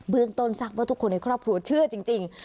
เรื่องต้นทราบว่าทุกคนในครอบครัวเชื่อจริง